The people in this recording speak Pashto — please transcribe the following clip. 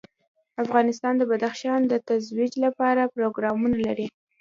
افغانستان د بدخشان د ترویج لپاره پروګرامونه لري.